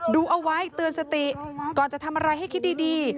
ดูเอาไว้เตือนสติก่อนจะทำอะไรให้คิดดี